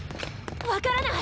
分からない。